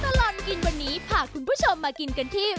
ตลอดกินวันนี้พาคุณผู้ชมมากินกันที่